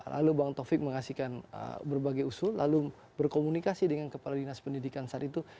lalu bang taufik mengasihkan berbagai usul lalu berkomunikasi dengan kepala dinas pendidikan saat itu